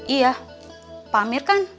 iya pak amir kan